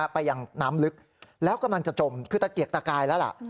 ไปยังน้ำลึกแล้วกำลังจะจมคือตะเกียกตะกายแล้วล่ะ